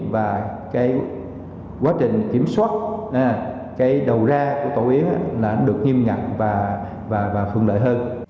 và quá trình kiểm soát đầu ra của tổ yến được nghiêm ngặt và phương lợi hơn